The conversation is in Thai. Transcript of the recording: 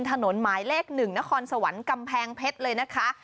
หมายเลข๑นครสวรรค์กำแพงเพชรเลยนะคะ